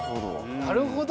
「なるほど」？